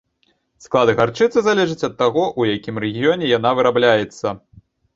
Склад гарчыцы залежыць ад таго, у якім рэгіёне яна вырабляецца.